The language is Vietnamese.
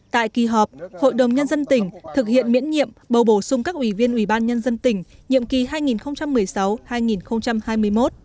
tại kỳ họp hội đồng nhân dân tỉnh thực hiện miễn nhiệm bầu bổ sung các ủy viên ủy ban nhân dân tỉnh nhiệm kỳ hai nghìn một mươi sáu hai nghìn hai mươi một